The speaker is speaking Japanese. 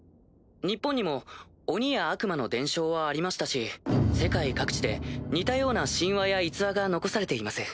日本にも鬼や悪魔の伝承はありましたし世界各地で似たような神話や逸話が残されています。